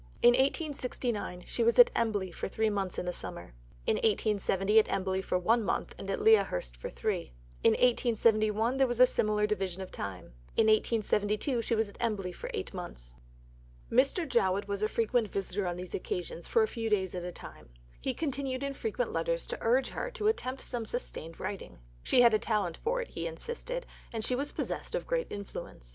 In 1869 she was at Embley for three months in the summer; in 1870, at Embley for one month, and at Lea Hurst for three; in 1871, there was a similar division of time; in 1872 she was at Embley for eight months. II Mr. Jowett was often a visitor on these occasions for a few days at a time. He continued in frequent letters to urge her to attempt some sustained writing. She had a talent for it, he insisted, and she was possessed of great influence.